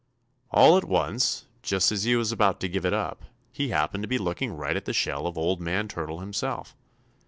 ] "All at once, just as he was about to give it up, he happened to be looking right at the shell of Old Man Turtle Himself.